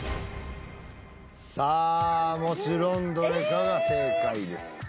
さあもちろんうんえっどれかが正解です